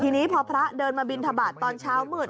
ทีนี้พอพระเดินมาบินทบาทตอนเช้ามืด